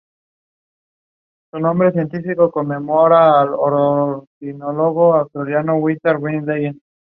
Está enterrado en Jerez.